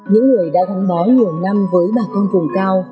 những người đã thắng bó nhiều năm với bà con phùng cao